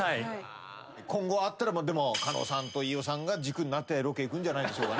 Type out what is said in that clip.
今後あったら狩野さんと飯尾さんが軸になってロケ行くんじゃないでしょうか。